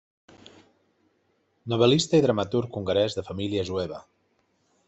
Novel·lista i dramaturg hongarès, de família jueva.